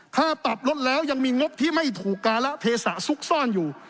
ค่าปรับลดแล้วยังมีงบที่ไม่ถูกการะเทศะซุกซ่อนอยู่